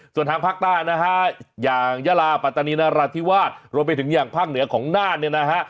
ส่วนทางภาคใต้นะฮะอย่างยาลาปัตตานีนราธิวาสรวมไปถึงอย่างภาคเหนือของน่านเนี่ยนะฮะ